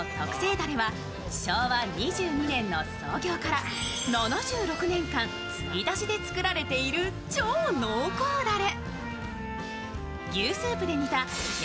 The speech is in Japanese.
だれは昭和２２年の創業から７６年間つぎ足しで作られている超濃厚だれ。